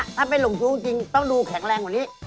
ถ้าเป็นหลงชู้จริงต้องดูแข็งแรงกว่านี้